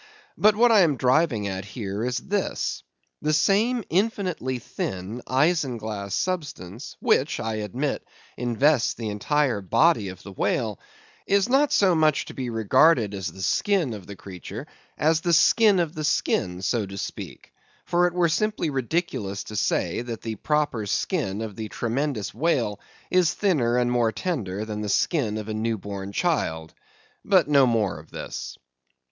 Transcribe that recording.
But what I am driving at here is this. That same infinitely thin, isinglass substance, which, I admit, invests the entire body of the whale, is not so much to be regarded as the skin of the creature, as the skin of the skin, so to speak; for it were simply ridiculous to say, that the proper skin of the tremendous whale is thinner and more tender than the skin of a new born child. But no more of this.